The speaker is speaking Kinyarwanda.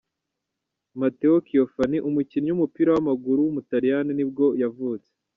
Matteo Ciofani, umukinnyi w’umupira w’amaguru w’umutaliyani nibwo yavutse.